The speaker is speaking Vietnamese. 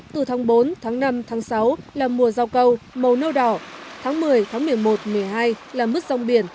từ tháng bốn tháng năm tháng sáu là mùa rau câu màu nâu đỏ tháng một mươi tháng một mươi một một mươi hai là mứt rong biển